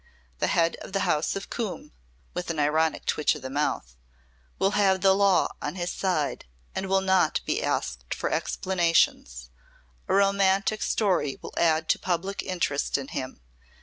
The Head of the House of Coombe" with an ironic twitch of the mouth "will have the law on his side and will not be asked for explanations. A romantic story will add to public interest in him.